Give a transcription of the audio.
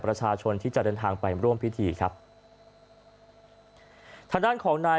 ประชาชนที่จะเดินทางไปร่วมพิธีครับทางด้านของนาย